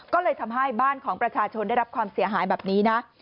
ก็เลยทำให้บ้านของประชาชนได้รับความเสียหายแบบนี้นะ